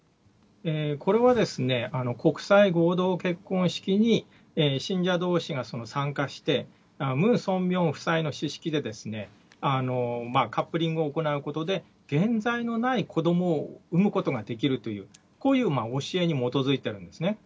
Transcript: これは国際合同結婚式に信者どうしが参加して、ムン・ソンミョン夫妻ので、カップリングを行うことで、げんざいのない子どもを産むことができるという、こういう教えに基づいているんですね。